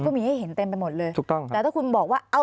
มีให้เห็นเต็มไปหมดเลยถูกต้องแต่ถ้าคุณบอกว่าเอา